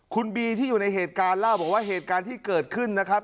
คุณบีที่อยู่ในเหตุการณ์เล่าบอกว่าเหตุการณ์ที่เกิดขึ้นนะครับ